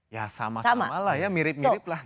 ya sama sama lah ya mirip mirip lah